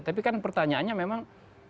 tapi kan pertanyaannya memang